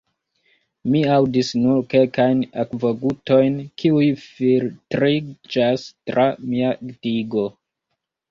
Mi aŭdis nur kelkajn akvogutojn, kiuj filtriĝas tra mia digo.